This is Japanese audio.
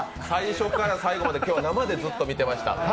最初から最後まで今日は生でずっと見てました。